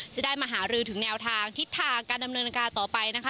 จะได้มาหารือถึงแนวทางทิศทางการดำเนินการต่อไปนะคะ